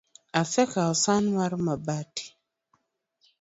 Asekawo san mar mabati